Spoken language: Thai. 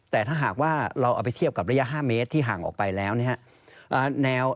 แต่ถ้าหากว่าเราเอาไปเทียบกับระยะ๕เมตรที่ห่างออกไปแล้วนะครับ